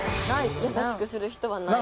優しくする人はないです。